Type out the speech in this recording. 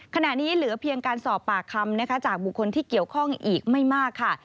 ขณะนี้เหลือเพียงการสอบปากคำนะคะจากบุคคลที่เกี่ยวข้องอีกไม่มากค่ะ